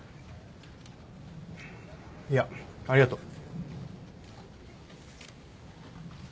いやありがとう。